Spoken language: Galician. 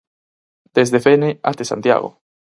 Desde Fene até Santiago.